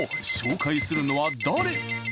紹介するのは誰？